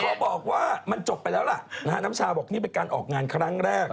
บอกว่ามันจบไปแล้วล่ะนะฮะน้ำชาบอกนี่เป็นการออกงานครั้งแรก